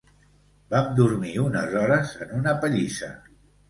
Vam dormir unes hores en una pallissa